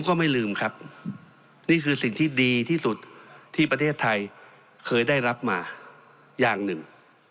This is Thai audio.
ก็ไม่ลืมครับนี่คือสิ่งที่ดีที่สุดที่ประเทศไทยเคยได้รับมาอย่างหนึ่ง